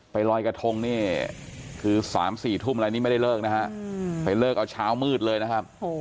ลอยกระทงนี่คือ๓๔ทุ่มอะไรนี่ไม่ได้เลิกนะฮะไปเลิกเอาเช้ามืดเลยนะครับ